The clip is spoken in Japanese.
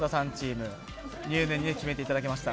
入念に決めていただきました。